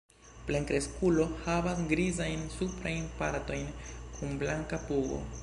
Plenkreskulo havas grizajn suprajn partojn kun blanka pugo.